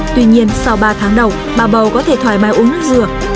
tuy nhiên sau ba tháng đầu bà bầu có thể thoải mái uống nước dừa